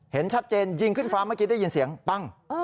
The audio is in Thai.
เห็นชัดเจนยิงขึ้นฟ้าเมื่อกี้ได้ยินเสียงปั้ง